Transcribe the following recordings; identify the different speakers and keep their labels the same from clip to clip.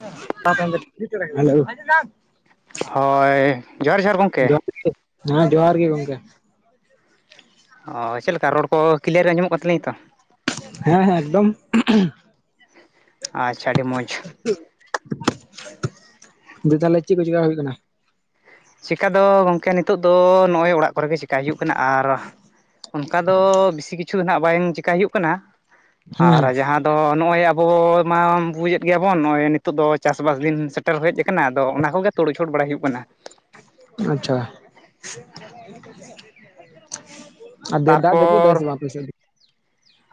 Speaker 1: [unintelligible] Hello [unintelligible]
Speaker 2: ᱦᱚᱭ, ᱡᱚᱸᱦᱟᱨᱼᱡᱚᱸᱦᱟᱨ ᱜᱚᱝᱠᱮ᱾
Speaker 1: ᱦᱮᱸ ᱡᱚᱸᱦᱟᱨ ᱜᱮᱜᱚᱝᱠᱮ᱾
Speaker 2: ᱚᱻ, ᱪᱮᱜ ᱞᱮᱠᱟ ᱨᱳᱲ ᱠᱚ, ᱠᱤᱞᱤᱭᱟᱨ ᱜᱮ ᱟᱧᱡᱚᱢᱚᱜ ᱠᱟᱱ ᱛᱟᱹᱞᱤᱧᱟ ᱛᱚ?
Speaker 1: ᱦᱮᱸᱼᱦᱮᱸ ᱮᱠᱫᱚᱢ᱾ [inaudible]
Speaker 2: ᱟᱪᱪᱷᱟ ᱟᱰᱤ ᱢᱚᱡᱽ᱾
Speaker 1: [inaudible] ᱫᱤ ᱛᱟᱦᱞᱮ ᱪᱮᱜ ᱠᱚ ᱪᱮᱠᱟ ᱦᱩᱭᱩᱜ ᱠᱟᱱᱟ?
Speaker 2: ᱪᱮᱠᱟ ᱫᱚ, ᱜᱚᱝᱠᱮ, ᱱᱤᱛᱚᱜ ᱫᱚ, ᱱᱚᱜ-ᱚᱭ ᱚᱲᱟᱜ ᱠᱚᱨᱮ ᱜᱮ ᱪᱤᱠᱟᱭ ᱦᱩᱭᱩᱜ ᱠᱟᱱᱟ, ᱟᱨᱼᱼ ᱚᱱᱠᱟ ᱫᱚ ᱵᱤᱥᱤ ᱠᱤᱪᱷᱩ ᱱᱟᱦᱟᱸᱜ ᱵᱟᱝ ᱪᱮᱠᱟᱭ ᱦᱩᱭᱩᱜ ᱠᱟᱱᱟ᱾ ᱟᱨ
Speaker 1: ᱦᱮᱸ
Speaker 2: ᱡᱟᱦᱟᱸ ᱫᱚ ᱱᱚᱜ-ᱚᱭ ᱟᱵᱚ ᱢᱟ ᱵᱩᱡᱮᱜ ᱜᱮᱭᱟ ᱵᱚᱱ ᱱᱚᱜ- ᱚᱭ ᱱᱤ ᱱᱤᱛᱚᱜ ᱫᱚ ᱪᱟᱥᱼᱵᱟᱥ ᱫᱤᱱ ᱥᱮᱴᱮᱨ ᱦᱮᱡ ᱠᱟᱱᱟ ᱟᱫᱚ ᱚᱱᱟ ᱠᱚᱜᱮ ᱛᱩᱲ ᱪᱷᱩᱲ ᱵᱟᱲᱟᱭ ᱦᱩᱭ
Speaker 1: ᱟᱸᱪᱪᱷᱟ᱾ ᱟᱨ ᱵᱮᱭᱤ ᱫᱟᱜ ᱡᱟᱹᱯᱩᱜ ᱫᱟᱭ ᱥᱮ
Speaker 2: ᱛᱟᱨᱯᱚᱨ
Speaker 1: ᱵᱟᱝ ᱟᱯᱮ ᱥᱮᱜ ᱫᱚ?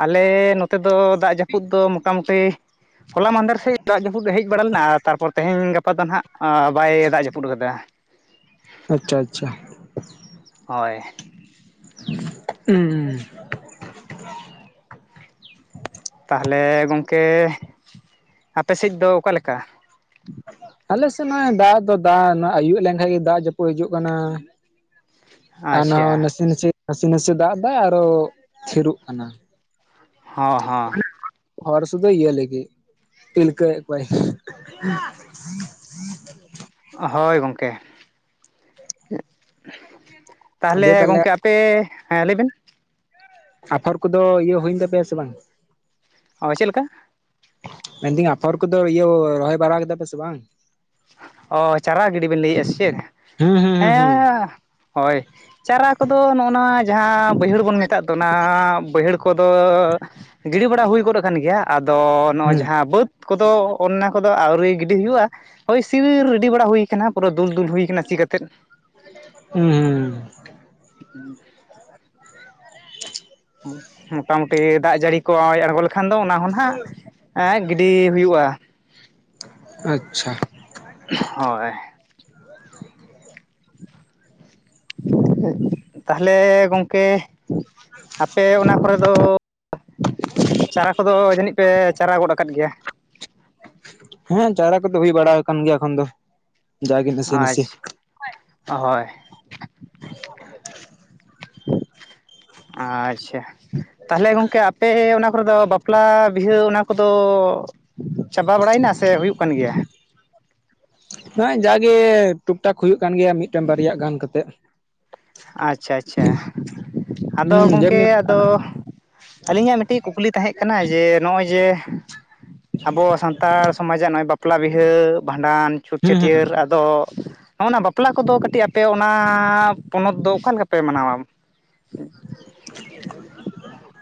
Speaker 2: ᱟᱞᱮ ᱱᱚᱛᱮ ᱫᱚ ᱫᱟᱜ ᱡᱟᱹᱯᱩᱫ ᱫᱚ ᱢᱚᱴᱟᱼᱢᱩᱴᱤ ᱦᱚᱞᱟ ᱢᱟᱦᱸᱫᱮᱨ ᱥᱮᱡ ᱫᱟᱜ ᱡᱟᱯᱩᱫ ᱦᱮᱡ ᱵᱟᱲᱟ ᱞᱮᱱᱟ ᱟᱨ ᱛᱟᱨᱯᱚᱨ ᱛᱮᱦᱮᱧ ᱜᱟᱯᱟ ᱫᱚ ᱱᱟᱦᱟᱸᱜ ᱚᱸᱻ ᱵᱟᱭ ᱫᱟᱜ ᱡᱟᱯᱩᱫ ᱟᱠᱟᱫᱟ᱾
Speaker 1: ᱟᱪᱪᱷᱟ ᱟᱪᱪᱷᱟ᱾
Speaker 2: ᱦᱚᱭ᱾
Speaker 1: ᱩᱸ᱾
Speaker 2: ᱛᱟᱦᱚᱞᱮ ᱜᱚᱝᱠᱮ ᱟᱯᱮ ᱥᱮᱡ ᱫᱚ ᱚᱠᱟ ᱞᱮᱠᱟ?
Speaker 1: ᱟᱞᱮᱥᱮᱡ ᱱᱚᱜᱼᱚᱭ ᱫᱟᱜ ᱫᱚ ᱫᱟᱜ ᱟᱭᱩᱵ ᱞᱮᱱᱠᱷᱟᱱ ᱜᱮ ᱫᱟᱜ ᱡᱟᱹᱯᱩᱫ ᱦᱤᱡᱩᱜ ᱠᱟᱱᱟ᱾ ᱟᱨ ᱱᱚᱸᱜᱚᱭ
Speaker 2: ᱟᱪᱪᱷᱟ
Speaker 1: ᱱᱟᱥᱮ ᱱᱟᱥᱮ ᱱᱟᱥᱮ ᱱᱟᱥᱮ ᱫᱟᱜ ᱫᱟᱭ ᱟᱨᱚ ᱛᱷᱤᱨᱚᱜ ᱠᱟᱱᱟ᱾
Speaker 2: ᱦᱚᱸ
Speaker 1: ᱦᱚᱲ ᱥᱩᱫᱟᱹ ᱤᱭᱟ. ᱞᱟ. ᱜᱤᱛ ᱞᱤᱞᱠᱟ. ᱮᱫ ᱠᱚᱣᱟᱭ,
Speaker 2: ᱦᱳᱭ ᱜᱚᱝᱠᱮ ᱛᱟᱦᱚᱞᱮ ᱜᱚᱝᱠᱮ ᱯᱮ ᱦᱮᱸ ᱞᱟᱹᱭ ᱵᱮᱱ,
Speaker 1: ᱟᱯᱷᱚᱨ ᱠᱚᱫᱚ ᱤᱭᱟᱹ ᱦᱩᱭᱮᱱ ᱛᱟᱯᱮᱭᱟ ᱥᱮ ᱵᱟᱝ?
Speaker 2: ᱚ ᱪᱮᱫ ᱞᱮᱠᱟ?
Speaker 1: ᱢᱮᱱᱫᱟᱹᱧ ᱟᱯᱷᱚᱨ ᱠᱚᱫᱚ ᱤᱭᱟᱹ ᱨᱚᱦᱚᱭ ᱵᱟᱲᱟ ᱠᱮᱫᱟ ᱯᱮ ᱥᱮ ᱵᱟᱝ?
Speaker 2: ᱚ ᱪᱟᱨᱟ ᱜᱤᱰᱤ ᱵᱮᱱ ᱞᱟᱹᱭᱮᱫᱼᱟ ᱥᱮᱪᱮᱫ
Speaker 1: ᱦᱩᱸ ᱦᱩᱸ ᱦᱩᱸ
Speaker 2: ᱦᱮᱸ, ᱦᱳᱭ ᱪᱟᱨᱟ ᱠᱚᱫᱚ ᱱᱚᱜᱼᱚᱱᱟ ᱡᱟᱦᱟᱸ ᱵᱟᱹᱭᱦᱟᱹᱲ ᱵᱚᱱ ᱢᱮᱛᱟᱜ ᱫᱚ ᱚᱱᱟ ᱵᱟᱹᱭᱦᱟᱹᱲ ᱠᱚ ᱠᱚᱫᱚ ᱜᱤᱲᱤ ᱵᱟᱲᱟ ᱦᱩᱭ ᱜᱚᱫ ᱟᱠᱟᱱ ᱜᱮᱭᱟ ᱟᱫᱚ ᱱᱚᱜᱼᱚᱭ
Speaker 1: ᱦᱩᱸ
Speaker 2: ᱡᱟᱦᱟᱸ ᱵᱟᱹᱫᱽ ᱠᱚᱫᱚ ᱚᱱᱱᱟ ᱠᱚᱫᱚ ᱟᱹᱣᱨᱤ ᱜᱤᱰᱤ ᱦᱩᱭᱩᱜᱼᱟ, ᱦᱳᱭ ᱥᱤ ᱨᱮᱰᱤ ᱵᱟᱲᱟ ᱦᱩᱭ ᱠᱟᱱᱟ ᱯᱩᱨᱟᱹ ᱫᱩᱞᱼ ᱫᱩᱞ ᱦᱩᱭᱠᱟᱱᱟ ᱥᱤ ᱠᱟᱛᱮᱫ,
Speaker 1: ᱦᱩᱸ ᱦᱩᱸ᱾
Speaker 2: ᱦᱩᱸ, ᱢᱚᱴᱟᱢᱩᱴᱤ ᱫᱟᱜ ᱡᱟᱹᱲᱤ ᱠᱚᱜ ᱟᱬᱜᱚ ᱠᱷᱟᱱ ᱫᱚ ᱚᱱᱟ ᱦᱚᱸ ᱱᱟᱦᱟᱜ ᱜᱤᱰᱤ ᱦᱩᱭᱩᱜᱼᱟ᱾
Speaker 1: ᱟᱪᱪᱷᱟ᱾
Speaker 2: ᱦᱳᱭ᱾
Speaker 1: [inaudible]
Speaker 2: [inaudible] ᱛᱟᱦᱞᱮ ᱜᱚᱝᱠᱮ
Speaker 1: [unintelligible]
Speaker 2: ᱟᱯᱮ ᱚᱱᱟ ᱠᱚᱨᱮ ᱫᱚ ᱪᱟᱨᱟ ᱠᱚᱫᱚ ᱡᱟᱹᱱᱤᱡ ᱯᱮ ᱪᱟᱨᱟ ᱜᱚᱫ ᱟᱠᱟᱫ ᱜᱮᱭᱟ?
Speaker 1: ᱦᱮᱸ ᱪᱟᱨᱟ ᱠᱚᱫᱚ ᱦᱩᱭ ᱵᱟᱲᱟ ᱟᱠᱟᱱ ᱜᱮᱭᱟ ᱮᱠᱷᱚᱱ ᱫᱚ᱾ ᱡᱟᱜᱮ ᱱᱟᱥᱮ ᱱᱟᱥᱮ
Speaker 2: ᱟᱪᱷ ᱦᱚᱭ᱾ ᱟᱪᱪᱷᱟ᱾ ᱛᱟᱞᱦᱮ ᱜᱚᱝᱠᱮ ᱟᱯᱮ ᱚᱱᱟ ᱠᱚᱨᱮ ᱫᱚ ᱵᱟᱯᱞᱟ ᱵᱤᱦᱟᱹ ᱚᱱᱟ ᱠᱚᱫᱚ ᱪᱟᱵᱟ ᱵᱟᱲᱟᱭᱮᱱᱟ ᱥᱮ ᱦᱩᱭᱩᱜ ᱠᱟᱱ ᱜᱮᱭᱟ?
Speaker 1: ᱱᱚᱜᱼᱚᱭ ᱡᱟᱜᱮ ᱴᱩᱠ ᱴᱟᱠ ᱦᱩᱭᱩᱜ ᱠᱟᱱ ᱜᱮᱭᱟ ᱢᱤᱫᱴᱮᱝ ᱵᱟᱨᱭᱟ ᱜᱟᱱ ᱠᱟᱛᱮᱜ।
Speaker 2: ᱟᱪᱪᱷᱟ ᱟᱪᱪᱷᱟ ᱟᱫᱚ
Speaker 1: ᱦᱩᱸ
Speaker 2: ᱜᱚᱝᱠᱮ
Speaker 1: ᱡᱮᱢᱱᱤ
Speaker 2: ᱛᱚ ᱟᱞᱤᱧᱟᱜ ᱢᱤᱫᱴᱤᱡ ᱠᱩᱠᱞᱤ ᱛᱟᱦᱮᱸ ᱠᱟᱱᱟ ᱡᱮ ᱱᱚᱜᱼᱚᱭ ᱡᱮ ᱟᱵᱚ ᱥᱟᱱᱛᱟᱲ ᱥᱚᱢᱟᱡᱟᱜ ᱱᱚᱜᱼᱚᱭ ᱵᱟᱯᱞᱟ ᱵᱤᱦᱟᱹ ᱵᱷᱟᱸᱰᱟᱱ ᱪᱷᱩᱛ
Speaker 1: ᱦᱩᱸ ᱦᱩᱸ
Speaker 2: ᱪᱷᱟᱹᱴᱭᱟᱹᱨ ᱫᱚ ᱱᱚᱜᱚᱼᱱᱟ ᱵᱟᱯᱞᱟ ᱠᱚᱫᱚ ᱠᱟᱹᱴᱤᱡ ᱟᱯᱮ ᱚᱱᱟ ᱯᱚᱱᱚᱛ ᱫᱚ ᱚᱠᱟ ᱞᱮᱠᱟ ᱯᱮ ᱢᱟᱱᱟᱣᱟ?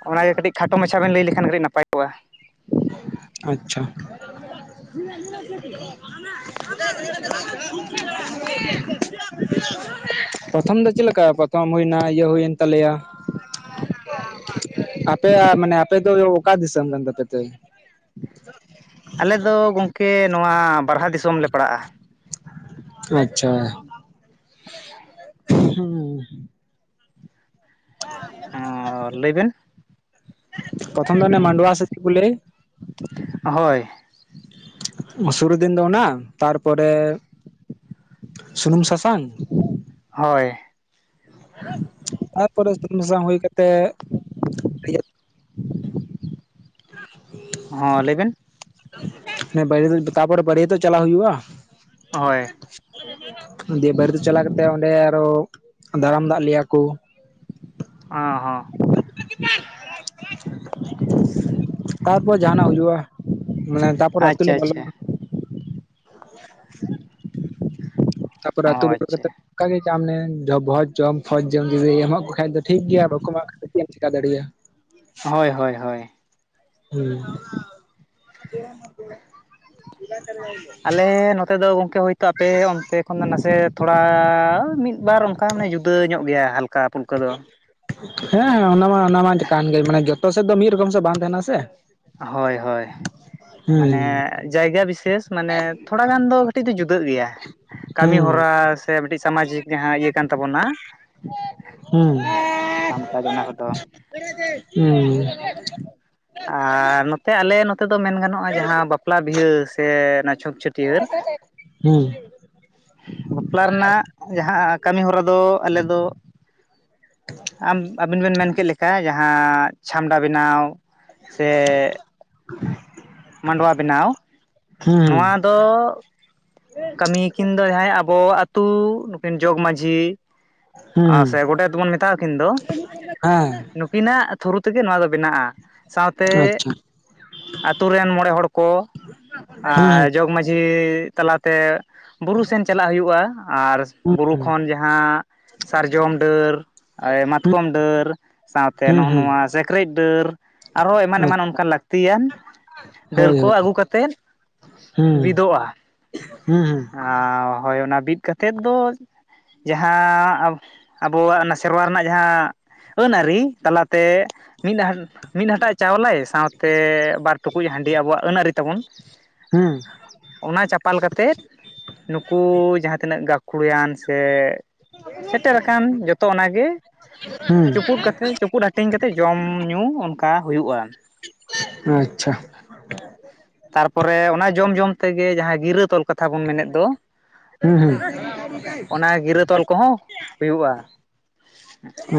Speaker 2: ᱚᱱᱟᱜᱮ ᱠᱟᱴᱤᱡ ᱠᱷᱟᱴᱚ ᱢᱟᱪᱷᱟ ᱵᱮᱱ ᱞᱟᱹᱭ ᱞᱮᱠᱷᱟᱱ ᱠᱟᱹᱴᱤᱡ ᱱᱟᱯᱟᱭ ᱠᱚᱜᱼᱟ᱾
Speaker 1: ᱟᱪᱪᱷᱟ᱾
Speaker 2: [unintelligible]
Speaker 1: ᱯᱨᱚᱛᱷᱚᱢ ᱫᱚ ᱪᱮᱫ ᱞᱮᱠᱟ ᱯᱨᱚᱛᱷᱚᱢ ᱦᱩᱭᱮᱱᱟ ᱤᱭᱟᱹ ᱦᱩᱭᱮᱱ ᱛᱟᱞᱮᱭᱟ ᱟᱯᱮᱭᱟᱜ ᱢᱟᱱᱮ ᱟᱯᱮ ᱫᱚ ᱚᱠᱟ ᱫᱤᱥᱟᱹᱢ ᱠᱟᱱ ᱛᱟᱯᱮ ᱛᱮ? [unintelligible]
Speaker 2: ᱟᱞᱮᱫᱚ ᱜᱚᱝᱠᱮ ᱱᱚᱣᱟ ᱵᱟᱨᱦᱟ ᱫᱤᱥᱚᱢᱞᱮ ᱯᱟᱲᱟᱜᱼᱟ᱾
Speaker 1: ᱟᱪᱪᱷᱟ ᱦᱩᱸ᱾
Speaker 2: ᱚ ᱞᱟᱹᱭ ᱵᱮᱱ
Speaker 1: ᱯᱨᱚᱛᱚᱢ ᱫᱚ ᱚᱱᱮ ᱢᱟᱱᱰᱣᱟ ᱥᱮ ᱪᱮᱫ ᱠᱚ ᱞᱮᱭ᱾
Speaker 2: ᱦᱳᱭ᱾
Speaker 1: ᱥᱩᱨᱩ ᱫᱤᱱ ᱫᱚ ᱚᱱᱟ ᱛᱟᱨᱯᱚᱨᱮ ᱥᱩᱱᱩᱢ ᱥᱟᱥᱟᱝ
Speaker 2: ᱦᱳᱭ
Speaker 1: ᱛᱟᱨᱯᱚᱨᱮ ᱥᱩᱱᱩᱢ ᱥᱟᱥᱟᱝ ᱦᱩᱭ ᱠᱟᱛᱮᱜ ᱵᱤᱦᱟᱹ
Speaker 2: [unintelligible]
Speaker 1: [unintelligible]
Speaker 2: ᱦᱚᱸ ᱞᱟᱹᱭᱵᱮᱱ?
Speaker 1: ᱦᱮᱸ ᱵᱟᱨᱤᱭᱟᱹᱛᱚᱜ ᱛᱟᱨᱯᱚᱨᱮ ᱵᱟᱨᱤᱭᱟᱹᱛᱚᱜ ᱪᱟᱞᱟᱜ ᱦᱩᱭᱩᱜᱼᱟ।
Speaker 2: ᱦᱳᱭ
Speaker 1: ᱫᱤᱭᱮ ᱵᱟᱨᱤᱭᱟᱹᱛᱚᱜ ᱪᱟᱞᱟᱣ ᱠᱟᱛᱮ ᱚᱸᱰᱮ ᱟᱨᱦᱚ ᱫᱟᱨᱟᱢ ᱫᱟᱜ ᱞᱮᱭᱟ ᱠᱩ᱾
Speaker 2: ᱚᱸ ᱦᱚᱸ᱾
Speaker 1: ᱛᱟᱨᱯᱚᱨ ᱡᱟᱦᱟᱸᱟᱱᱟᱜ ᱦᱩᱭᱩᱜᱼᱟ, ᱢᱟᱱᱮ ᱛᱟᱨᱯᱚᱨ ᱟᱛᱳ ᱞᱮ
Speaker 2: ᱟᱪᱪᱷᱟ ᱟᱪᱪᱷᱟ
Speaker 1: ᱵᱚᱞᱚᱱᱟ᱾ [inaudible] ᱛᱟᱨᱯᱚᱨ
Speaker 2: ᱚ
Speaker 1: ᱟᱛᱳ ᱵᱚᱞᱚ
Speaker 2: ᱟᱪᱪᱷᱟ
Speaker 1: ᱠᱟᱛᱮ ᱚᱱᱠᱟᱜ ᱜᱮ ᱪᱟᱢ ᱱᱮ ᱵᱷᱚᱡᱽ ᱡᱚᱢ ᱯᱷᱡᱽ ᱡᱚᱢ ᱡᱩᱫᱤ ᱮᱢᱚᱜ ᱠᱚ ᱠᱷᱟᱡ ᱫᱚ ᱴᱷᱤᱠ ᱜᱮᱭᱟ ᱵᱟᱠᱚ ᱮᱢᱟᱜ ᱠᱷᱟᱱ ᱪᱮᱫ ᱮᱢ ᱪᱮᱠᱟ ᱫᱟᱲᱤᱭᱟ᱾
Speaker 2: ᱦᱚᱭ ᱦᱚᱭ ᱦᱚᱭ᱾
Speaker 1: ᱦᱩᱸ᱾ [unintelligible]
Speaker 2: ᱟᱞᱮ ᱱᱚᱛᱮ ᱫᱚ ᱜᱚᱝᱠᱮ ᱦᱳᱭᱛᱚ ᱟᱯᱮ ᱚᱱᱛᱮ ᱠᱷᱚᱱ ᱫᱚ ᱱᱟᱥᱮ ᱛᱷᱚᱲᱟ ᱢᱤᱫ ᱵᱟᱨ ᱚᱱᱠᱟ ᱢᱟᱱᱮ ᱡᱩᱫᱟᱹ ᱧᱚᱜ ᱜᱮᱭᱟ ᱦᱟᱞᱠᱟ ᱯᱩᱞᱠᱟᱹ ᱫᱚ᱾
Speaker 1: ᱦᱮᱸ ᱦᱮᱸ ᱚᱱᱟ ᱢᱟ ᱚᱱᱟ ᱢᱟ ᱠᱟᱱ ᱜᱮ ᱢᱟᱱᱮ ᱡᱷᱚᱛᱚ ᱥᱮᱫ ᱫᱚ ᱢᱤᱫ ᱨᱚᱠᱚᱢ ᱥᱮᱫ ᱵᱟᱝ ᱛᱟᱦᱮᱱᱟ ᱥᱮ᱾
Speaker 2: ᱦᱚᱭ ᱦᱚᱭ, ᱢᱟᱱᱮ
Speaker 1: ᱦᱩᱸ
Speaker 2: ᱡᱟᱭᱜᱟ ᱵᱤᱥᱮᱥ ᱢᱟᱱᱮ ᱛᱷᱚᱲᱟ ᱜᱟᱱ ᱫᱚ ᱠᱟᱹᱴᱤᱡ ᱫᱚ ᱡᱩᱫᱟᱹᱜ ᱜᱤᱭᱟ᱾ ᱠᱟᱢᱤ
Speaker 1: ᱦᱩᱸ
Speaker 2: ᱦᱚᱨᱟ ᱥᱮ ᱢᱤᱫᱴᱤᱡ ᱥᱟᱢᱟᱡᱤᱠ ᱡᱟᱦᱟᱸ ᱤᱭᱟᱹ ᱠᱟᱱ ᱛᱟᱵᱚᱱᱟ᱾
Speaker 1: ᱦᱩᱸ
Speaker 2: ᱠᱟᱢᱠᱟᱡᱽ ᱚᱱᱟ ᱠᱚᱫᱚ
Speaker 1: ᱦᱩᱸ᱾
Speaker 2: ᱟᱨ ᱱᱚᱛᱮ ᱟᱞᱮ ᱱᱚᱛᱮ ᱫᱚ ᱢᱮᱱ ᱜᱟᱱᱚᱜᱼᱟ ᱡᱟᱦᱟᱸ ᱵᱟᱯᱞᱟ ᱵᱤᱦᱟᱹ ᱥᱮ ᱚᱱᱟ ᱪᱷᱩᱛ ᱪᱷᱟᱹᱴᱤᱭᱟᱹᱨ
Speaker 1: ᱦᱩᱸ
Speaker 2: ᱵᱟᱯᱞᱟ ᱨᱮᱱᱟᱜ ᱡᱟᱦᱟᱸ ᱠᱟᱹᱢᱤ ᱦᱚᱨᱟ ᱫᱚ ᱟᱞᱮ ᱫᱚ ᱟᱢ ᱟᱵᱤᱱ ᱵᱮᱱ ᱢᱮᱱ ᱠᱮᱜ ᱞᱮᱠᱟ ᱡᱟᱦᱟᱸ ᱪᱷᱟᱢᱰᱟ ᱵᱮᱱᱟᱣ, ᱥᱮ ᱢᱟᱸᱰᱚᱣᱟ ᱵᱮᱱᱟᱣ
Speaker 1: ᱦᱩᱸ
Speaker 2: ᱱᱚᱣᱟ ᱫᱚ, ᱠᱟᱹᱢᱤ ᱠᱤᱱ ᱫᱚ ᱡᱟᱦᱟᱸᱭ ᱟᱵᱚ ᱟᱛᱳ ᱱᱩᱠᱤᱱ ᱡᱚᱜᱽᱢᱟᱺᱡᱷᱤ ᱟᱨ
Speaker 1: ᱦᱩᱸ
Speaker 2: ᱥᱮ ᱜᱳᱴᱮᱛ ᱵᱚᱱ ᱢᱮᱛᱟ ᱟᱠᱤᱱ ᱫᱚ,
Speaker 1: ᱦᱮᱸ
Speaker 2: ᱱᱩᱠᱤᱱᱟᱜ ᱛᱷᱩᱨᱩ ᱛᱮᱜᱮ ᱱᱚᱣᱟ ᱫᱚ ᱵᱮᱱᱟᱜᱼᱟ᱾ ᱥᱟᱶᱛᱮ
Speaker 1: ᱟᱪᱪᱷᱟ
Speaker 2: ᱟᱛᱳ ᱨᱮᱱ ᱢᱚᱬᱮ ᱦᱚᱲ ᱠᱚ ᱟᱨ
Speaker 1: ᱦᱩᱸ
Speaker 2: ᱡᱚᱜᱽ ᱢᱟᱺᱡᱷᱤ ᱢᱟᱹᱡᱷᱤ ᱛᱟᱞᱟᱛᱮ ᱵᱩᱨᱩ ᱥᱮᱱ ᱪᱟᱞᱟᱜ ᱦᱩᱭᱩᱜᱼᱟ᱾ ᱟᱨ
Speaker 1: ᱦᱩᱸ
Speaker 2: ᱵᱩᱨᱩ
Speaker 1: ᱦᱩᱸ
Speaker 2: ᱠᱷᱚᱱ ᱡᱟᱦᱟᱸ ᱥᱟᱨᱡᱚᱢ ᱰᱟᱹᱨ,
Speaker 1: ᱦᱩᱸ
Speaker 2: ᱢᱟᱛᱠᱚᱢ ᱰᱟᱹᱨ, ᱥᱟᱶᱛᱮ
Speaker 1: ᱦᱩᱸ
Speaker 2: ᱱᱚᱜᱼᱚ
Speaker 1: ᱦᱩᱸ
Speaker 2: ᱱᱚᱣᱟ ᱥᱮ ᱠᱨᱮᱡ ᱰᱟᱹᱨ ᱟᱨᱦᱚᱸ ᱮᱢᱟᱱ ᱮᱢᱟᱱ
Speaker 1: ᱟᱪᱪᱷᱟ
Speaker 2: ᱚᱱᱠᱟᱱ ᱞᱟᱹᱠᱛᱤᱭᱟᱱ ᱰᱟᱹᱨ
Speaker 1: ᱦᱳᱭ
Speaker 2: ᱠᱚ
Speaker 1: ᱦᱳᱭ
Speaker 2: ᱟᱹᱜᱩ ᱠᱟᱛᱮᱫ,
Speaker 1: ᱦᱩᱸ
Speaker 2: ᱵᱤᱫᱚᱜᱼᱟ᱾
Speaker 1: ᱦᱩᱸ ᱦᱩᱸ
Speaker 2: ᱟᱨ ᱦᱳᱭ ᱚᱱᱟ ᱵᱤᱫ ᱠᱟᱛᱮᱫ ᱫᱚ ᱡᱟᱦᱟᱸ ᱟᱵᱚᱣᱟᱜ ᱚᱱᱟ ᱥᱮᱨᱣᱟ ᱨᱮᱱᱟᱜ ᱡᱟᱦᱟᱸ ᱟᱹᱱ ᱟᱹᱨᱤ ᱛᱟᱞᱟᱛᱮ ᱢᱤᱫ ᱦᱟ ᱢᱤᱫ ᱦᱟᱴᱟᱜ ᱪᱟᱣᱞᱮ ᱥᱟᱶᱛᱮ ᱴᱩᱠᱩᱡ ᱦᱟᱺᱰᱤ ᱟᱵᱚᱣᱟᱜ ᱟᱹᱱ ᱟᱨᱤ ᱛᱟᱵᱚᱱ᱾
Speaker 1: ᱦᱩᱸ
Speaker 2: ᱚᱱᱟ ᱪᱟᱯᱟᱞ ᱠᱟᱛᱮᱫ, ᱱᱩᱠᱩ ᱡᱟᱦᱟᱸ ᱛᱤᱱᱟᱹᱜ ᱜᱟᱹᱠᱷᱩᱲᱟᱱ ᱥᱮ ᱥᱮᱴᱮᱨᱟᱠᱟᱱ ᱡᱚᱛᱚ ᱚᱱᱟᱜᱮ
Speaker 1: ᱦᱩᱸ
Speaker 2: ᱪᱩᱯᱩᱫ ᱠᱟᱛᱮᱜ, ᱪᱩᱯᱩᱫ ᱦᱟᱹᱴᱤᱧ ᱠᱟᱛᱮᱫ ᱡᱚᱢ ᱧᱩ ᱚᱱᱠᱟ ᱦᱩᱭᱩᱜᱼᱟ᱾
Speaker 1: ᱟᱪᱪᱷᱟ,
Speaker 2: ᱛᱟᱨᱯᱚᱨᱮ ᱚᱱᱟ ᱡᱚᱢ ᱡᱚᱢ ᱛᱮᱜᱮ ᱡᱟᱦᱟᱸ ᱜᱤᱨᱟᱹ ᱛᱚᱞ ᱠᱚ, ᱠᱟᱛᱷᱟ ᱵᱚᱱ ᱢᱮᱱᱮᱫ ᱫᱚ᱾
Speaker 1: ᱦᱩᱸ ᱦᱩᱸ᱾
Speaker 2: ᱚᱱᱟ ᱜᱤᱨᱟᱹ ᱛᱚᱞ ᱠᱚᱦᱚᱸ ᱦᱩᱭᱩᱜᱼᱟ᱾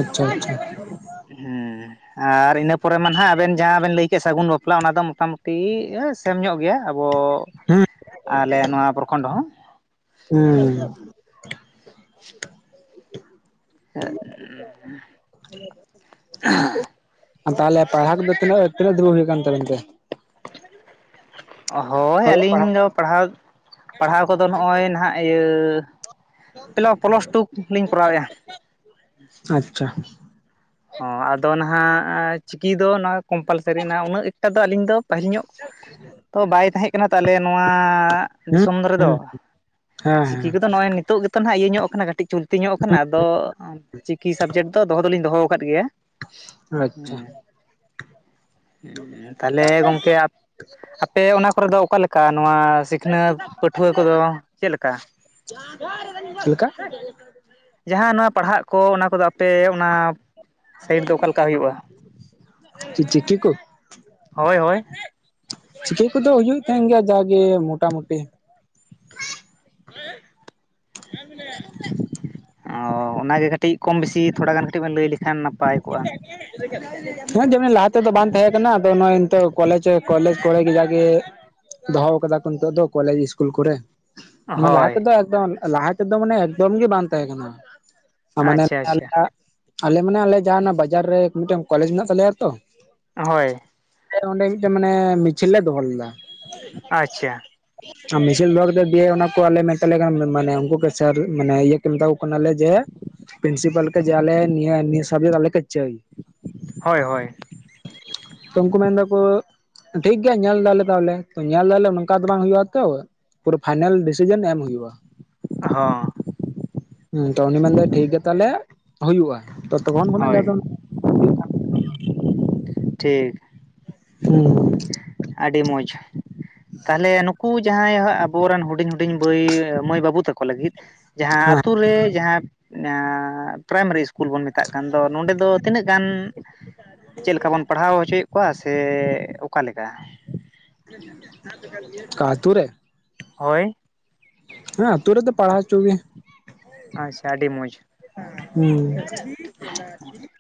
Speaker 1: ᱟᱪᱪᱷᱟ ᱟᱪᱪᱷᱟ,
Speaker 2: ᱦᱮᱸ ᱟᱨ ᱤᱱᱟᱹ ᱯᱚᱨᱮ ᱢᱟ ᱱᱟᱦᱟᱜ ᱟᱵᱮᱱ ᱡᱟᱦᱟᱸ ᱵᱮᱱ ᱞᱟᱹᱭ ᱠᱮᱫ‌ ᱥᱟᱹᱜᱩᱱ ᱵᱟᱯᱞᱟ ᱚᱱᱟ ᱫᱚ ᱢᱚᱴᱟᱢᱩᱴᱤ ᱥᱮᱢ ᱧᱚᱜ ᱜᱮᱭᱟ, ᱟᱵᱚ
Speaker 1: ᱦᱩᱸ
Speaker 2: ᱟᱞᱮ ᱱᱚᱣᱟ ᱯᱚᱨᱠᱷᱚᱸᱰ ᱦᱚᱸ᱾
Speaker 1: ᱦᱩᱸ,
Speaker 2: ᱦᱮᱜᱻ᱾ [unintelligible]
Speaker 1: ᱛᱟᱦᱚᱞᱮ ᱯᱟᱲᱦᱟᱜ ᱠᱚᱫᱚ ᱛᱤᱱᱟᱹᱜ ᱛᱤᱱᱟᱹᱜ ᱫᱷᱟᱵᱤᱡ ᱦᱩᱭ ᱟᱠᱟᱱ ᱛᱟᱵᱤᱱ ᱛᱮ?
Speaker 2: ᱦᱳᱭ
Speaker 1: ᱚᱞᱚᱜ
Speaker 2: ᱟᱹᱞᱤᱧ
Speaker 1: ᱯᱟᱲᱦᱟᱜ
Speaker 2: ᱫᱚ ᱯᱟᱲᱦᱟᱣ, ᱯᱟᱲᱦᱟᱣ ᱠᱚᱫᱚ ᱱᱚᱜᱼᱚᱭ ᱱᱟᱦᱟᱜ ᱤᱭᱟᱹ ᱯᱞᱟ ᱯᱞᱟᱥ ᱴᱩ ᱠᱚ ᱞᱤᱧ ᱠᱚᱨᱟᱣᱮᱫᱼᱟ᱾
Speaker 1: ᱟᱪᱪᱷᱟ᱾
Speaker 2: ᱦᱚᱸ ᱟᱫᱚ ᱱᱟᱦᱟᱜ ᱪᱤᱠᱤ ᱫᱚ ᱱᱚᱣᱟ ᱠᱚᱢᱯᱟᱞᱥᱟᱨᱤ ᱱᱟ, ᱩᱱᱟᱹᱜ ᱮᱠᱴᱟ ᱫᱚ ᱟᱞᱤᱧ ᱫᱚ ᱯᱟᱹᱦᱤᱞ ᱧᱚᱜ ᱛᱚ ᱵᱟᱭ ᱛᱟᱦᱮᱸ ᱠᱟᱱᱟ᱾ᱛᱟᱦᱚᱞᱮ ᱱᱚᱣᱟ
Speaker 1: ᱦᱩᱸ
Speaker 2: ᱫᱤᱥᱚᱢ ᱫᱷᱟᱨᱮ ᱫᱚ
Speaker 1: ᱦᱩᱸ ᱦᱮᱸ
Speaker 2: ᱪᱤᱠᱤ ᱠᱚᱫᱚ
Speaker 1: ᱦᱮᱸ
Speaker 2: ᱱᱚᱜᱼᱚᱭ ᱱᱤᱛ ᱱᱤᱛᱚᱜ ᱜᱮᱛᱚ ᱱᱟᱦᱟᱜ ᱤᱭᱟᱹ ᱧᱚᱜ ᱠᱟᱱᱟ ᱛᱚᱜ ᱜᱮᱛᱚ ᱱᱟᱦᱟᱜ ᱠᱟᱹᱴᱤᱡ ᱪᱚᱞᱛᱤ ᱧᱚᱜ ᱟᱠᱟᱱᱟ᱾ ᱟᱫᱚ ᱪᱤᱠᱤ ᱥᱟᱵᱽᱡᱮᱠᱴ ᱫᱚ ᱫᱚᱦᱚ ᱫᱚᱞᱤᱧ ᱫᱚᱦᱚ ᱟᱠᱟᱫ ᱜᱮᱭᱟ᱾
Speaker 1: ᱟᱪᱪᱷᱟ,
Speaker 2: ᱦᱮᱸ, ᱛᱟᱦᱞᱮ ᱜᱚᱝᱠᱮ ᱟᱯᱮ ᱚᱱᱟ ᱠᱚᱨᱮ ᱫᱚ ᱚᱠᱟᱞᱮᱠᱟ ᱱᱚᱣᱟ ᱥᱤᱠᱷᱱᱟᱹᱛ ᱯᱟᱹᱴᱷᱩᱣᱟᱹ ᱠᱚᱫᱚ ᱪᱮᱜᱞᱮᱠᱟ?
Speaker 1: ᱪᱮᱫ ᱞᱮᱠᱟ?
Speaker 2: ᱡᱟᱦᱟᱸ ᱱᱚᱣᱟ ᱯᱟᱲᱦᱟᱜ ᱠᱚ ᱚᱱᱟ ᱠᱚᱫᱚ ᱟᱯᱮ ᱚᱱᱟ, ᱥᱟᱭᱤᱰ ᱫᱚ ᱚᱠᱟ ᱞᱮᱠᱟ ᱦᱩᱭᱩᱜᱼᱟ?
Speaker 1: ᱪᱮᱫ ᱪᱤᱠᱤ ᱠᱚ?
Speaker 2: ᱦᱳᱭ ᱦᱳᱭ
Speaker 1: ᱪᱤᱠᱤ ᱠᱚᱫᱚ ᱦᱩᱭᱩᱜ ᱛᱟᱦᱮᱱ ᱜᱮᱭᱟ ᱡᱟᱜᱮ ᱢᱚᱴᱟᱢᱩᱴᱤ᱾ [unintelligible]
Speaker 2: ᱚ ᱚᱱᱟ ᱜᱮ ᱠᱟᱹᱴᱤᱡ ᱠᱚᱢ ᱵᱮᱥᱤ ᱛᱷᱚᱲᱟ ᱜᱟᱱ ᱠᱟᱹᱴᱤᱡ ᱵᱮᱱ ᱞᱟᱹᱭ ᱞᱮᱠᱷᱟᱱ ᱱᱟᱯᱟᱭ ᱼᱼ
Speaker 1: [unintelligible] [unintelligible] ᱡᱮᱢᱚᱱ ᱞᱟᱦᱟ ᱛᱮᱫᱚ ᱵᱟᱝ ᱛᱟᱦᱮᱸ ᱠᱟᱱᱟ᱾ᱟᱫᱚ ᱱᱚᱜᱚᱭ ᱱᱤᱛᱚᱜ ᱠᱚᱞᱮᱡᱽ ᱠᱚᱞᱮᱡᱽ ᱠᱚ ᱨᱮ ᱜᱮ ᱡᱟᱜᱮᱼᱼ ᱫᱚᱦᱚ ᱟᱠᱟᱫᱟ ᱠᱚ ᱱᱤᱛᱚᱜ ᱫᱚ, ᱠᱚᱞᱮᱡᱽ ᱤᱥᱠᱩᱞ ᱠᱚᱨᱮ᱾ [unintelligible] ᱞᱟᱦᱟ
Speaker 2: ᱦᱳᱭ
Speaker 1: ᱛᱮ ᱫᱚ ᱞᱟᱦᱟ ᱛᱮᱫᱚ ᱢᱟᱱᱮ ᱮᱠᱫᱚᱢ ᱜᱮ ᱵᱟᱝ ᱛᱟᱦᱮᱸ ᱠᱟᱱᱟ᱾ ᱟᱨ ᱢᱟᱱᱮ
Speaker 2: ᱟᱪᱪᱷᱟ
Speaker 1: ᱟᱞᱮ
Speaker 2: ᱟᱪᱪᱷᱟ
Speaker 1: ᱟᱞᱮ ᱢᱟᱱᱮ ᱟᱞᱮ ᱡᱟᱦᱟᱸ ᱵᱟᱡᱟᱨ ᱨᱮ, ᱢᱤᱫᱴᱮᱱ ᱠᱚᱞᱮᱡᱽ ᱢᱮᱱᱟᱜ ᱛᱟᱞᱮᱭᱟ ᱛᱚ᱾
Speaker 2: ᱦᱳᱭ
Speaker 1: ᱚᱸᱰᱮ ᱢᱤᱫᱴᱮᱱ ᱢᱟᱱᱮ ᱢᱤᱪᱷᱤᱞ ᱞᱮ ᱫᱚᱦᱚ ᱞᱮᱫᱟ᱾
Speaker 2: ᱟᱪᱪᱷᱟ
Speaker 1: ᱟᱨ ᱢᱤᱪᱷᱤᱞ ᱵᱷᱟᱜᱽ ᱫᱚ ᱫᱤᱭᱮ ᱚᱱᱟ ᱠᱚ ᱟᱞᱮ ᱢᱮᱛᱟᱞᱮ ᱢᱟᱱᱮ ᱩᱱᱠᱩ ᱠᱟᱨ ᱢᱟᱱᱮ ᱤᱭᱟᱹ ᱠᱚ ᱢᱮᱛᱟ ᱠᱚ ᱠᱟᱱᱟᱞᱮ ᱡᱮ, ᱯᱨᱤᱱᱥᱤᱯᱟᱞ ᱡᱮ ᱟᱞᱮ ᱱᱤᱭᱟᱹ ᱱᱤᱭᱟᱹ ᱥᱟᱵᱡᱮᱠᱴ ᱟᱞᱮ ᱛᱮᱫ ᱪᱟᱹᱭᱼᱼ
Speaker 2: ᱦᱳᱭ ᱦᱳᱭ
Speaker 1: ᱛᱚ ᱩᱱᱠᱩ ᱢᱮᱱ ᱫᱟᱠᱚ ᱴᱷᱤᱠ ᱜᱮᱭᱟ ᱧᱮᱞ ᱫᱟᱞᱮ ᱛᱟᱦᱞᱮ, ᱧᱮᱞ ᱫᱟᱞᱮ ᱱᱚᱝᱠᱟ ᱫᱚ ᱵᱟᱝ ᱦᱩᱭᱩᱜ ᱟ ᱛᱚ᱾ ᱯᱩᱨᱟᱹ ᱯᱷᱟᱭᱱᱟᱞ ᱰᱤᱥᱤᱡᱮᱱ ᱮᱢ ᱦᱩᱭᱩᱜᱼᱟ᱾
Speaker 2: ᱦᱚᱸᱻ
Speaker 1: ᱦᱮᱸ ᱛᱚ ᱩᱱᱤ ᱢᱮᱱᱫᱟᱭ ᱴᱷᱤᱠ ᱜᱮᱭᱟ ᱛᱟᱦᱞᱮ ᱦᱩᱭᱩᱜᱼᱟ᱾ ᱛᱚ ᱛᱚᱠᱷᱚᱱ ᱠᱷᱚᱱᱟᱜ ᱜᱮ
Speaker 2: ᱦᱳᱭ
Speaker 1: ᱟᱫᱚ ᱼᱼ [unintelligible]
Speaker 2: ᱴᱷᱤᱠ
Speaker 1: ᱦᱩᱸ
Speaker 2: ᱟᱹᱰᱤ ᱢᱚᱡᱽ᱾ ᱛᱟᱦᱞᱮ ᱱᱩᱠᱩ ᱡᱟᱦᱟᱸᱭ ᱟᱵᱚ ᱨᱮᱱ ᱦᱩᱰᱤᱧ ᱦᱩᱰᱤᱧ ᱵᱟᱹᱭ ᱢᱟᱹᱭ ᱵᱟᱹᱵᱩ ᱛᱟᱠᱚ ᱞᱟᱹᱜᱤᱫ, ᱡᱟᱦᱟᱸ
Speaker 1: ᱦᱮᱸ
Speaker 2: ᱟᱛᱳ ᱨᱮ ᱡᱟᱦᱟᱸ ᱯᱨᱟᱭᱢᱟᱨᱤ [unintelligible] ᱤᱥᱼᱼ ᱠᱩᱞ ᱵᱚᱱ ᱢᱮᱛᱟᱜ ᱠᱟᱱ ᱫᱚ, ᱱᱚᱰᱮ ᱫᱚ ᱛᱤᱱᱟᱹᱜ ᱜᱟᱱ ᱪᱮᱫ ᱞᱮᱠᱟ ᱵᱚᱱ ᱯᱟᱲᱦᱟᱣ ᱦᱚᱪᱚᱭᱮᱫ ᱠᱚᱣᱟ᱾ ᱥᱮ ᱥᱮ ᱚᱠᱟ ᱞᱮᱠᱟ᱾
Speaker 1: [unintelligible] ᱟᱹᱛᱩ ᱨᱮᱼᱼ
Speaker 2: ᱦᱳᱭ
Speaker 1: ᱦᱮᱸ ᱟᱛᱳ ᱨᱮᱫᱚ ᱯᱟᱲᱦᱟᱣ ᱦᱚᱪᱚ ᱜᱮ᱾
Speaker 2: ᱟᱪᱪᱷᱟ ᱟᱹᱰᱤ ᱢᱚᱡᱽ᱾
Speaker 1: [unintelligible]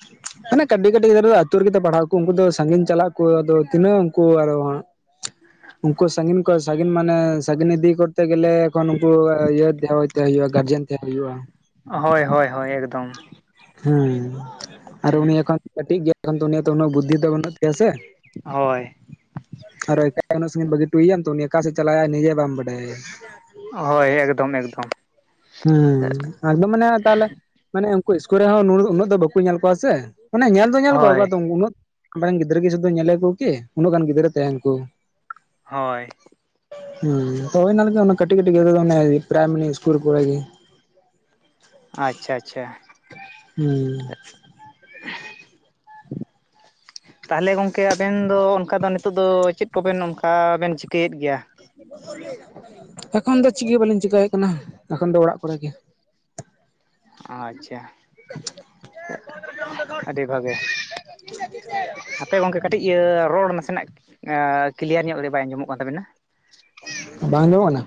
Speaker 1: ᱦᱟᱱᱮ ᱠᱟᱹᱴᱤᱡ ᱠᱟᱹᱴᱤᱡ ᱜᱤᱫᱽᱨᱟᱹ ᱫᱚ, ᱟᱹᱛᱩ ᱨᱮᱜᱮ ᱯᱟᱲᱦᱟᱜ ᱠᱚ᱾ ᱩᱱᱠᱩ ᱫᱚ ᱥᱟᱹᱜᱤᱧ ᱪᱟᱞᱟᱜ ᱠᱚ ᱟᱫᱚ ᱛᱤᱱᱟᱹᱜ ᱩᱱᱠᱩ [unintelligible] ᱦᱟᱸᱜᱼᱼ
Speaker 2: [inaudible]
Speaker 1: ᱩᱱᱠᱩ ᱥᱟᱺᱜᱤᱧ ᱠᱚ ᱥᱟᱺᱜᱤᱧ ᱢᱟᱱᱮ ᱥᱟᱜᱤᱧ ᱤᱫᱤ ᱠᱚᱛᱮ ᱜᱮᱞᱮ ᱮᱠᱷᱚᱱ ᱩᱱᱠᱩ ᱤᱭᱟᱹ [unintelligible] [unintelligible] ᱦᱩᱭᱩᱜᱼᱟ ᱜᱟᱨᱡᱮᱱ ᱛᱟᱦᱮᱸ ᱦᱩᱭᱩᱜᱼᱟ᱾
Speaker 2: ᱦᱳᱭ ᱦᱳᱭ ᱦᱳᱭ [unintelligible]
Speaker 1: ᱦᱮᱸ ᱟᱨ ᱩᱱᱤ ᱮᱠᱷᱚᱱ ᱠᱟᱹᱴᱤᱡ ᱜᱮᱼᱼ ᱮᱱᱠᱷᱟᱱ ᱫᱚ ᱩᱱᱤᱭᱟᱜ ᱫᱚ ᱩᱱᱟᱹᱜ ᱵᱩᱫᱽᱫᱷᱤ ᱫᱚ ᱵᱟᱹᱱᱩᱜ ᱛᱟᱭᱟ ᱥᱮ᱾
Speaker 2: ᱦᱳᱭ
Speaker 1: ᱟᱨ [unintelligible] ᱩᱱᱤ ᱟᱠᱟ ᱥᱮᱫ ᱪᱟᱞᱟᱜ ᱱᱤᱡᱮ ᱵᱟᱢ ᱵᱟᱰᱟᱭᱟ
Speaker 2: ᱦᱳᱭ ᱮᱠᱫᱚᱢ ᱮᱠᱫᱚᱢ
Speaker 1: ᱦᱮᱸ [unintelligible] ᱢᱟᱱᱮ ᱛᱟᱦᱞᱮᱼᱼ ᱢᱟᱱᱮ ᱩᱱᱠᱩ ᱤᱥᱠᱩᱞ ᱨᱮ ᱦᱚᱸ ᱩᱱᱟᱹᱜ ᱫᱚ ᱵᱟᱠᱚ ᱧᱮᱞ ᱠᱚᱣᱟ ᱥᱮ ᱢᱟᱱᱮ ᱧᱮᱞ ᱫᱚ ᱧᱮᱞ ᱠᱚᱣᱟ ᱚᱠᱟ
Speaker 2: ᱦᱳᱭ
Speaker 1: ᱩᱱᱟᱹᱜᱼᱼ ᱟᱢᱨᱮᱱ ᱜᱤᱫᱽᱨᱟᱹ ᱠᱚ ᱥᱷᱩᱫᱩ ᱧᱮᱞᱮᱫ ᱠᱚ ᱜᱮ ᱩᱱᱟᱹᱜ ᱜᱟᱱ ᱜᱤᱫᱽᱨᱟᱹ ᱛᱟᱦᱮᱱ ᱟᱠᱚ
Speaker 2: ᱦᱳᱭ
Speaker 1: ᱦᱩᱸ ᱦᱳᱭ ᱚᱱᱟ ᱞᱟᱜᱤᱫ ᱠᱟᱹᱴᱤᱡ ᱠᱟᱹᱴᱤᱡ [unintelligible] ᱯᱮᱨᱟᱭᱢᱟᱨᱤ ᱤᱥᱠᱩᱞ ᱠᱚ ᱨᱮ ᱜᱮᱼᱼ
Speaker 2: ᱟᱪᱪᱷᱟ ᱟᱪᱪᱷᱟ
Speaker 1: ᱦᱩᱸᱻ
Speaker 2: [unintelligible] ᱛᱟᱞᱦᱮ ᱜᱚᱝᱠᱮ ᱟᱵᱮᱱ ᱫᱚ ᱚᱱᱠᱟ ᱫᱚ ᱱᱤᱛᱚᱜ ᱫᱚ ᱪᱮᱫ ᱠᱚᱵᱮᱱ ᱚᱱᱠᱟ ᱵᱮᱱ ᱪᱤᱠᱟᱹᱭᱮᱫ ᱜᱮᱭᱟ?
Speaker 1: ᱮᱠᱷᱚᱱ ᱫᱚ ᱪᱮᱫ ᱜᱮ ᱵᱟᱞᱤᱧ ᱪᱮᱠᱟᱭ ᱮᱫ ᱠᱟᱱᱟ ᱮᱠᱷᱚᱱ ᱫᱚ ᱚᱲᱟᱜ ᱠᱚᱨᱮ ᱜᱮ।
Speaker 2: ᱚ ᱟᱪᱪᱷᱟ। ᱟᱹᱰᱤ ᱵᱷᱟᱜᱮ। ᱦᱟᱯᱮ ᱜᱚᱝᱠᱮ ᱠᱟᱹᱴᱤᱡ ᱤᱭᱟᱹ ᱨᱚᱲ ᱱᱟᱥᱮᱱᱟᱜ ᱮᱸᱻ ᱠᱤᱞᱤᱭᱟᱨ ᱧᱚᱜ ᱵᱟᱭ ᱟᱸᱡᱚᱢᱚᱜ ᱠᱟᱱ ᱛᱟᱵᱮᱱᱟ
Speaker 1: ᱵᱟᱝ ᱟᱸᱡᱚᱢᱚᱜ ᱠᱟᱱᱟ?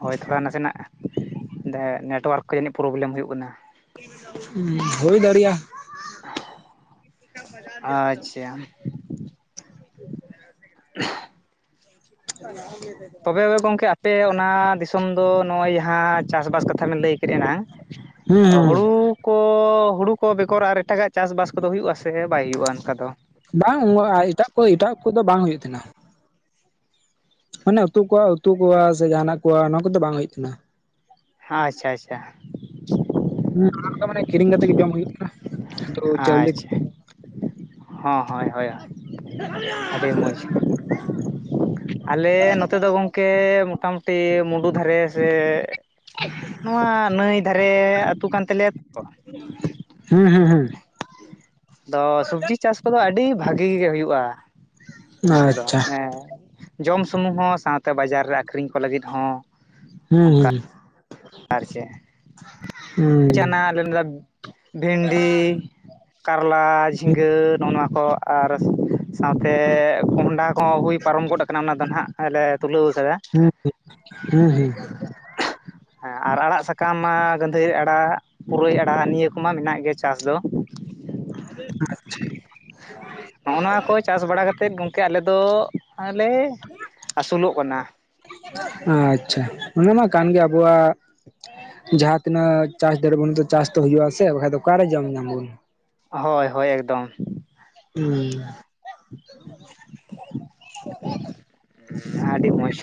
Speaker 2: ᱦᱳᱭ ᱛᱷᱚᱲᱟ ᱱᱟᱥᱮᱱᱟᱜ ᱱᱮᱴᱚᱣᱟᱨᱠ ᱠᱚ ᱡᱟᱹᱱᱤᱡ ᱯᱨᱳᱵᱞᱮᱢ ᱦᱩᱭᱩᱜ ᱠᱟᱱᱟ।
Speaker 1: ᱩᱸ ᱦᱩᱭ ᱫᱟᱲᱮᱭᱟ।
Speaker 2: ᱟᱪᱪᱷᱟ। [unintelligible]
Speaker 1: [unintelligible]
Speaker 2: ᱛᱚᱵᱮ ᱜᱚᱝᱠᱮ ᱟᱯᱮ ᱚᱱᱟ ᱫᱤᱥᱚᱢ ᱫᱚ ᱱᱚᱜᱼᱚᱭ ᱡᱟᱦᱟᱸ ᱪᱟᱥ ᱵᱟᱥ ᱠᱟᱛᱷᱟ ᱵᱮᱱ ᱞᱟᱹᱭ ᱠᱮᱫ ᱮᱱᱟᱝ
Speaker 1: ᱦᱩᱸ
Speaker 2: ᱚ
Speaker 1: ᱦᱩᱸ
Speaker 2: ᱦᱩᱲᱩ ᱠᱚ ᱦᱩᱲᱩ ᱠᱚ ᱵᱮᱜᱚᱨ ᱟᱨ ᱮᱴᱟᱜᱟᱜ ᱪᱟᱥ ᱵᱟᱥ ᱠᱚᱫᱚ ᱦᱩᱭᱩᱜᱼᱟ ᱥᱮ ᱵᱟᱭ ᱦᱩᱭᱩᱜᱼᱟ ᱚᱱᱠᱟ ᱫᱚ?
Speaker 1: ᱵᱟᱝ ᱮᱴᱟᱜ ᱠᱚ ᱮᱴᱟᱜ ᱠᱚ ᱫᱚ ᱵᱟᱝ ᱦᱩᱭᱩᱜ ᱛᱟᱦᱮᱱᱟ। ᱢᱟᱱᱮ ᱩᱛᱩ ᱠᱚ ᱩᱛᱩ ᱠᱚᱣᱟ ᱥᱮ ᱡᱟᱦᱟᱱᱟᱜ ᱠᱚᱣᱟᱜ ᱱᱚᱣᱟ ᱠᱚ ᱫᱚ ᱵᱟᱝ ᱦᱩᱭᱩᱜ ᱛᱟᱦᱮᱱᱟ।
Speaker 2: ᱟᱪᱪᱷᱟ ᱟᱪᱪᱷᱟ।
Speaker 1: [unintelligible] ᱫᱚ ᱢᱟᱱᱮ ᱠᱤᱨᱤᱧ ᱠᱟᱛᱮᱜ ᱜᱮ ᱡᱚᱢ ᱦᱩᱭᱩᱜ ᱠᱟᱱᱟ ᱛᱚ ᱪᱟᱣᱞᱮ
Speaker 2: ᱟᱪᱪᱷᱟ ᱦᱚᱸ ᱦᱳᱭ ᱦᱳᱭ ᱦᱳᱭ ᱟᱹᱰᱤ ᱢᱚᱡᱽ। ᱟᱞᱮ ᱱᱚᱛᱮ ᱫᱚ ᱜᱚᱝᱠᱮ ᱢᱚᱴᱟᱢᱩᱴᱤ ᱢᱩᱰᱩ ᱫᱷᱟᱨᱮ ᱥᱮ ᱱᱚᱣᱟ ᱱᱟᱹᱭ ᱫᱷᱟᱨᱮ ᱟᱹᱛᱩ ᱠᱟᱱ ᱛᱟᱞᱮᱭᱟ ᱛᱚ
Speaker 1: ᱦᱩᱸ ᱦᱩᱸ ᱦᱩᱸ
Speaker 2: ᱟᱫᱚ ᱥᱚᱵᱡᱤ ᱪᱟᱥ ᱠᱚᱫᱚ ᱟᱹᱰᱤ ᱵᱷᱟᱹᱜᱮ ᱜᱮ ᱦᱩᱭᱩᱜᱼᱟ ᱱᱚᱛᱮ ᱫᱚ
Speaker 1: ᱟᱪᱪᱷᱟ
Speaker 2: ᱦᱮᱸ ᱡᱚᱢ ᱥᱩᱢᱩᱝ ᱦᱚᱸ ᱥᱟᱶᱛᱮ ᱵᱟᱡᱟᱨ ᱨᱮ ᱟᱠᱷᱨᱤᱧ ᱠᱚ ᱞᱟᱹᱜᱤᱫ ᱦᱚᱸ।
Speaker 1: ᱦᱮᱸ
Speaker 2: ᱚᱱᱠᱟ
Speaker 1: ᱦᱩᱸ
Speaker 2: ᱟᱨ ᱪᱮᱫ [unintelligible] ᱵᱷᱤᱱᱰᱤ ᱠᱟᱨᱞᱟ
Speaker 1: ᱦᱩᱸ
Speaker 2: ᱡᱷᱤᱸᱜᱟᱹ ᱱᱚᱜᱼᱚ ᱱᱚᱣᱟ ᱠᱚ ᱟᱨ ᱥᱟᱶᱛᱮ ᱸᱦᱚᱰᱟ। ᱠᱚ ᱦᱩᱭ ᱯᱟᱨᱚᱢ ᱜᱚᱫ ᱟᱠᱟᱱᱟ ᱚᱱᱟ ᱫᱚ ᱱᱟᱦᱟᱜ ᱞᱮ ᱛᱩᱞᱟᱹᱣ ᱟᱠᱟᱫᱟ।
Speaker 1: [unintelligible] ᱦᱸ ᱦᱩᱸ।
Speaker 2: ᱦᱮᱸ ᱟᱨ ᱟᱲᱟᱜ ᱥᱟᱠᱟᱢ ᱢᱟ ᱜᱟᱸᱫᱷᱟᱹᱨᱤ ᱟᱲᱟᱜ ᱯᱩᱨᱟᱹᱭ ᱟᱲᱟᱜ ᱱᱤᱭᱟᱹ ᱠᱚᱢᱟ ᱢᱮᱱᱟᱜ ᱜᱮ ᱪᱟᱥ ᱫᱚ।
Speaker 1: [unintelligible]
Speaker 2: ᱱᱚᱜᱼᱚ ᱱᱚᱣᱟ ᱠᱚ ᱪᱟᱥ ᱵᱟᱲᱟ ᱠᱟᱛᱮᱫ ᱜᱚᱝᱠᱮ ᱟᱞᱮᱫᱚ ᱟᱞᱮ ᱟᱹᱥᱩᱞᱚᱜ ᱠᱟᱱᱟ।
Speaker 1: ᱟᱪᱪᱷᱟ ᱚᱱᱟᱢᱟ ᱠᱟᱱ ᱜᱮ ᱟᱵᱚᱣᱟᱜ ᱡᱟᱦᱟ ᱛᱤᱱᱟᱹᱜ ᱪᱟᱥ ᱫᱟᱲᱮᱜ ᱵᱚᱱ ᱪᱟᱥ ᱛᱚ ᱦᱳᱭᱳᱜ ᱟᱥᱮ ᱵᱟᱠᱷᱟᱡ ᱫᱚ ᱚᱠᱟᱨᱮ ᱡᱚᱢ ᱧᱟᱢᱟ ᱵᱚᱱ।
Speaker 2: ᱦᱳᱭ ᱦᱳᱭ ᱮᱠᱫᱚᱢ।
Speaker 1: ᱦᱩᱸ।
Speaker 2: ᱟᱹᱰᱤ ᱢᱚᱡᱽ।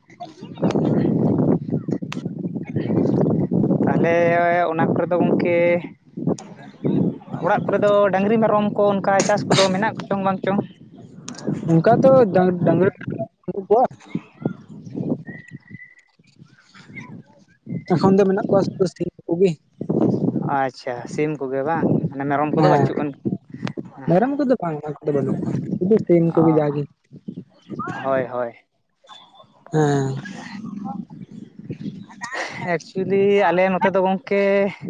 Speaker 1: [unintelligible]
Speaker 2: ᱛᱟᱞᱦᱮ ᱚᱱᱟ ᱠᱚᱨᱮ ᱫᱚ ᱜᱚᱝᱠᱮᱼᱼ
Speaker 1: [unintelligible]
Speaker 2: ᱚᱲᱟᱜ ᱠᱚᱨᱮ ᱫᱚ ᱰᱟᱹᱝᱨᱤ ᱢᱮᱨᱚᱢ ᱠᱚ ᱚᱱᱠᱟ ᱪᱟᱥ ᱠᱚᱫᱚ ᱢᱮᱱᱟᱜ ᱠᱚᱪᱚᱝ ᱵᱟᱝ ᱪᱚᱝ?
Speaker 1: ᱚᱱᱠᱟ ᱫᱚ ᱰᱟᱝ ᱰᱟᱝᱨᱤ [unintelligible] ᱫᱚ ᱮᱠᱷᱚᱱ ᱫᱚ ᱢᱮᱱᱟᱜ ᱠᱚᱣᱟ ᱥᱩᱫᱷᱩ ᱥᱤᱢ ᱴᱩᱠᱩ ᱜᱤ᱾
Speaker 2: ᱟᱪᱪᱷᱟ ᱥᱤᱢ ᱠᱚᱜᱮ ᱵᱟᱝ ᱢᱟᱱᱮ ᱢᱮᱨᱚᱢ ᱠᱚᱫᱚ
Speaker 1: ᱦᱮᱸ
Speaker 2: ᱵᱟᱹᱪᱩ ᱟᱱ᱾
Speaker 1: ᱢᱮᱨᱚᱢ ᱠᱚᱫᱚ ᱵᱟᱝ [unintelligible] ᱥᱩᱫᱷᱩ ᱥᱤᱢ ᱠᱚᱜᱮ
Speaker 2: ᱚ
Speaker 1: ᱡᱟᱜᱮ᱾
Speaker 2: ᱦᱳᱭ ᱦᱳᱭ᱾
Speaker 1: ᱦᱮᱸ
Speaker 2: ᱮᱠᱪᱩᱭᱮᱞᱤ ᱟᱞᱮ ᱱᱚᱛᱮ ᱫᱚ ᱜᱚᱢᱠᱮ